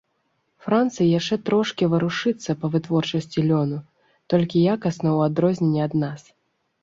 Францыя яшчэ трошкі варушыцца па вытворчасці лёну, толькі якасна ў адрозненне ад нас.